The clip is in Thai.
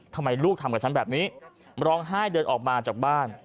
ทำไมลูกทำกับฉันแบบนี้ร้องไห้เดินออกมาจากบ้าน